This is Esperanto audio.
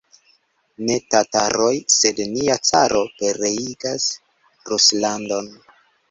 Ne tataroj, sed nia caro pereigas Ruslandon!